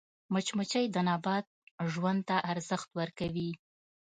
مچمچۍ د نبات ژوند ته ارزښت ورکوي